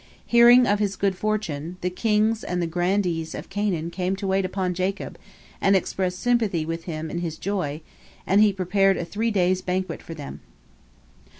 Hearing of his good fortune, the kings and the grandees of Canaan came to wait upon Jacob and express sympathy with him in his joy, and he prepared a three days' banquet for them.